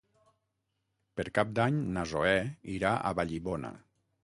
Per Cap d'Any na Zoè irà a Vallibona.